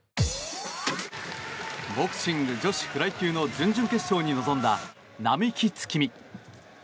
ボクシング女子フライ級の準々決勝に臨んだ並木月海。